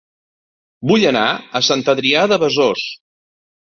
Vull anar a Sant Adrià de Besòs